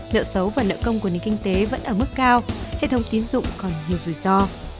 nợ xấu và nợ công của nền kinh tế vẫn ở mức cao hệ thống tín dụng còn nhiều rủi ro